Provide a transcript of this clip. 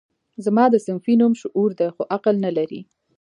زما ده صنفي نوم شعور دی خو عقل نه لري